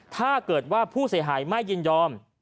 ถ้าเกิดว่าผู้เสียหายไม่ยินยอม